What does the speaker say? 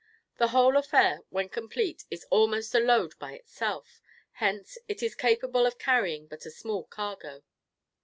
The whole affair, when complete, is almost a load by itself; hence, it is capable of carrying but a small cargo.